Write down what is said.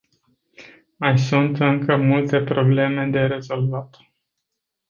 Mai sunt încă multe probleme de rezolvat.